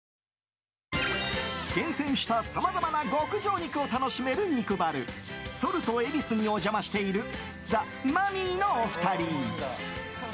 厳選したさまざまな極上肉を楽しめる肉バルＳａｌｔ恵比寿にお邪魔しているザ・マミィのお二人。